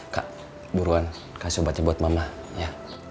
kak buruan kasih obatnya buat mama ya